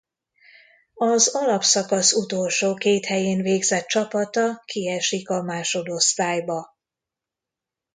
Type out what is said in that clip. Az alapszakasz utolsó két helyén végzett csapata kiesik a másodosztályba.